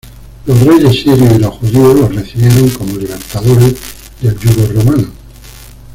Los reyes sirios y los judíos los recibieron como libertadores del yugo romano.